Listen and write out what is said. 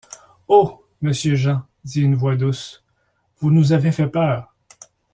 Oh ! monsieur Jean, dit une voix douce, vous nous avez fait peur !